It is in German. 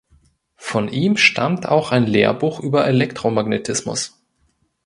Von ihm stammt auch ein Lehrbuch über Elektromagnetismus.